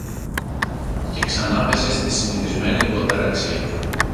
και ξανάπεσε στη συνηθισμένη του αταραξία.